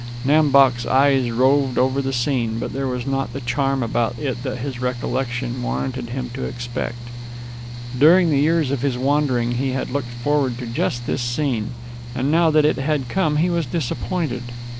Nam Bok's eyes roved over the scene, but there was not the charm about it that his recollection had warranted him to expect. During the years of his wandering he had looked forward to just this scene, and now that it had come he was disappointed.